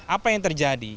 apa yang terjadi